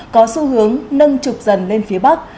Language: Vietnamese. có xu hướng nâng trục dần lên phía bắc